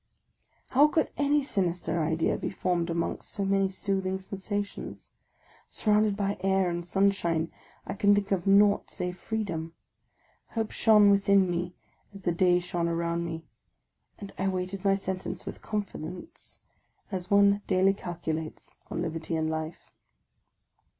How could any sinister idea be formed amongst so many soothing sensations? Surrounded by air and sunshine, I could think of nought save freedom. Hope shone within me, as the day shone around me; and I awaited my sentence with confidence, as one daily calculates on liberty and life.